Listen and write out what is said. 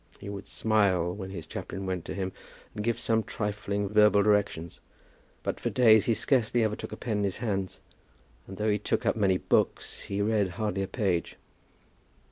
He would smile when his chaplain went to him, and give some trifling verbal directions; but for days he scarcely ever took a pen in his hands, and though he took up many books he read hardly a page.